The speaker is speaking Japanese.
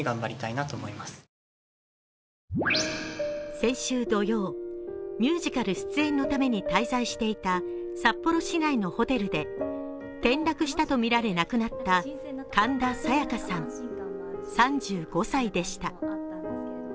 先週土曜、ミュージカル出演のために滞在していた札幌市内のホテルで転落したとみられ亡くなった神田沙也加さん、３５歳でした。